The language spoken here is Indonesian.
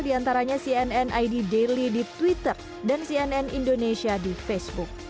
di antaranya cnn id daily di twitter dan cnn indonesia di facebook